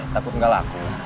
takut enggak laku